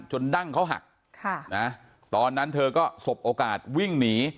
ดั้งเขาหักตอนนั้นเธอก็สบโอกาสวิ่งหนี